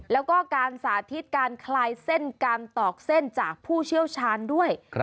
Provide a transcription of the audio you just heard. แล้วก็การสาธิตการคลายเส้นการตอกเส้นจากผู้เชี่ยวชาญด้วย